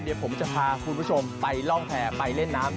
เดี๋ยวผมจะพาคุณผู้ชมไปร่องแพร่ไปเล่นน้ำ